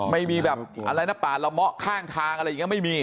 ไม่มีแบบอะไรนะป่าละเมาะข้างทางอะไรอย่างนี้ไม่มี